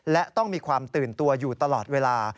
และต้องมีความตื่นตัวอยู่ตลอดเวลา